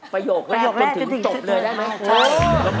ประโยคแรกจนถึงจบเลยได้ไหมโอ้โฮลมเดียวแรก